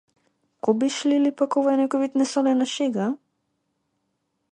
Кобиш ли или пак ова е некој вид несолена шега?